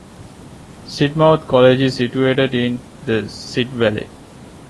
Sidmouth College is situated in the Sid Valley.